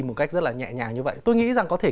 một cách rất là nhẹ nhàng như vậy tôi nghĩ rằng có thể